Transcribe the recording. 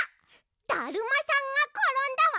だるまさんがころんだは？